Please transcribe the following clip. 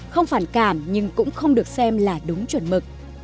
không phản cảm nhưng cũng không được xem là đúng chuẩn mực